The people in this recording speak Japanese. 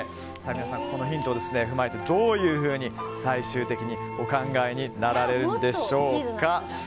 このヒントを踏まえてどういうふうに最終的にお考えになられるんでしょうか。